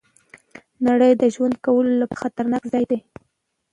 نړۍ د ژوند کولو لپاره خطرناک ځای دی.